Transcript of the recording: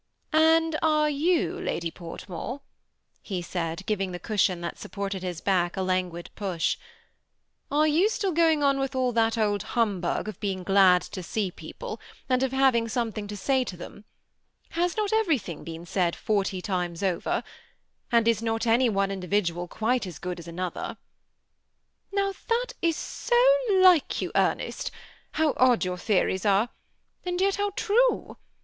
" And are you. Lady Portmore," he said, giving the cushion that supported his back a languid push, —" are you still going on with all that old humbug of being glad to see people, and of having something to say to them ? Has not everything been said forty times over? and is not any one individual quite as good as an other ?" ■a THE SEMI ATTACHED COUPLE. 105 " Now that is so like you, Ernest. How odd your theories are, and yet how true